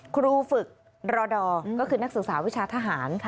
ครูฝึกรอดอร์ก็คือนักศึกษาวิชาทหาร